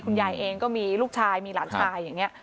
ยายเองก็มีลูกชายมีหลานชายอย่างนี้